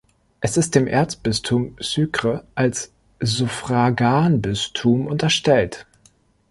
Es ist dem Erzbistum Sucre als Suffraganbistum unterstellt.